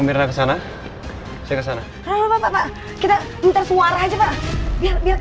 mbak kita harus pergi dulu